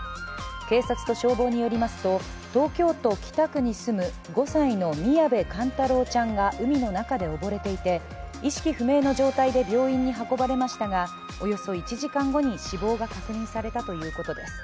警察と消防によりますと東京都北区に住む５歳の宮部寛太郎ちゃんが海の中で溺れていて、意識不明の状態で病院に運ばれましたがおよそ１時間後に死亡が確認されたということです。